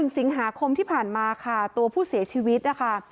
สิงหาคมที่ผ่านมาค่ะตัวผู้เสียชีวิตนะคะ